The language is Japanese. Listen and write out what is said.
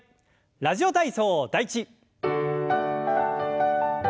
「ラジオ体操第１」。